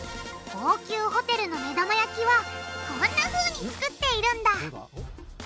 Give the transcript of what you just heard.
高級ホテルの目玉焼きはこんなふうに作っているんだ！